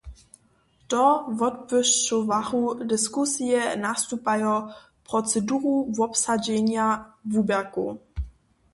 To wotbłyšćowachu diskusije nastupajo proceduru wobsadźenja wuběrkow.